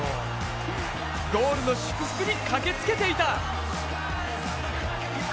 ゴールの祝福に駆けつけていた。